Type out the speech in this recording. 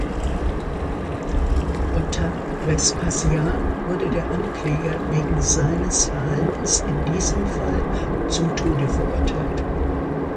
Unter Vespasian wurde der Ankläger wegen seines Verhaltens in diesem Fall zum Tode verurteilt.